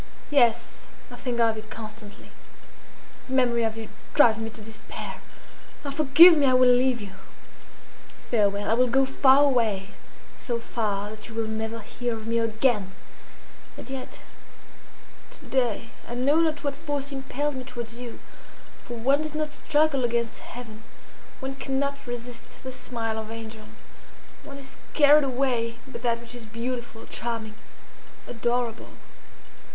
"Yes, I think of you constantly. The memory of you drives me to despair. Ah! forgive me! I will leave you! Farewell! I will go far away, so far that you will never hear of me again; and yet to day I know not what force impelled me towards you. For one does not struggle against Heaven; one cannot resist the smile of angels; one is carried away by that which is beautiful, charming, adorable."